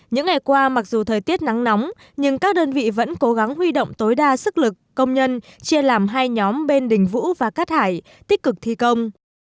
những ngày qua mặc dù thời tiết nắng nóng nhưng các đơn vị vẫn cố gắng huy động tối đa sức lực công nhân chia làm hai nhóm bên đình vũ và cát hải tích cực thi công